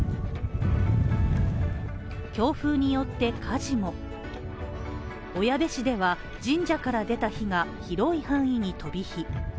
強風によって火事も小矢部市では神社から出た火が広い範囲に飛び火。